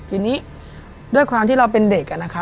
ทีนี้ด้วยความที่เราเป็นเด็กนะคะ